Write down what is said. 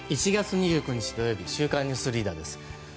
１月２９日、土曜日「週刊ニュースリーダー」です。